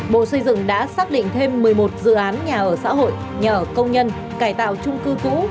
bộ xây dựng đã xác định thêm một mươi một dự án nhà ở xã hội nhà ở công nhân cải tạo trung cư cũ